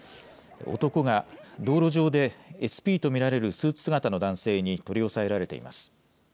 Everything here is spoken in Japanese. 男が道路上でＳＰと見られるスーツ姿の男性に取り押さえられています。